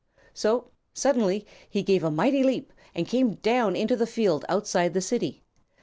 So, suddenly he gave a mighty leap and came down into the field outside the City.